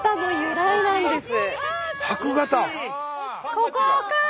ここか！